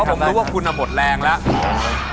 เพราะผมรู้ว่าคุณอบดแรงแล้ว